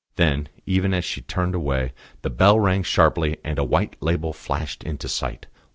Then, even as she turned away, the bell rang sharply, and a white label flashed into sight.